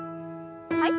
はい。